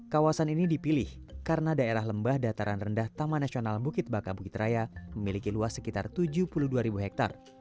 kawasan ini dipilih karena daerah lembah dataran rendah taman nasional bukit baka bukit raya memiliki luas sekitar tujuh puluh dua hektare